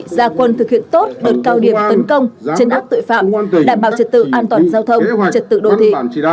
gia quân thực hiện tốt đợt cao điểm tấn công trên đất tội phạm đảm bảo trật tự an toàn giao thông trật tự đồ thị